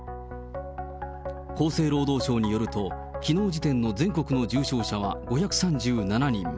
厚生労働省によると、きのう時点の全国の重症者は５３７人。